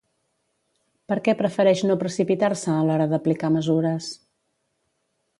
Per què prefereix no precipitar-se a l'hora d'aplicar mesures?